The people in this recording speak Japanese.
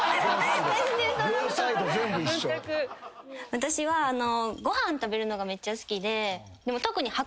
私はご飯食べるのがめっちゃ好きで。